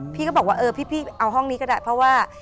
พี่ก็บอกว่าเออพี่เอาห้องนี้ก็ได้เพราะว่า